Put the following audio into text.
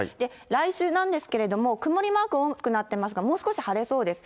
来週なんですけれども、曇りマーク多くなってますが、もう少し晴れそうです。